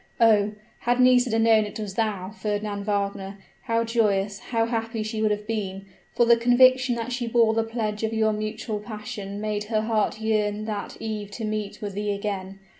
Oh! had Nisida known it was thou, Fernand Wagner, how joyous, how happy she would have been; for the conviction that she bore the pledge of your mutual passion had made her heart yearn that eve to meet with thee again.